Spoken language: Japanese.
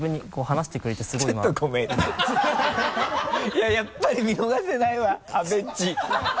いややっぱり見逃せないわ「阿部っち」